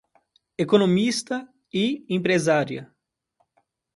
Economista e empresária